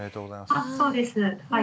あそうですはい。